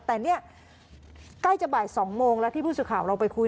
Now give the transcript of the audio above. แต่เนี่ยใกล้จะบ่าย๒โมงแล้วที่ผู้สื่อข่าวเราไปคุย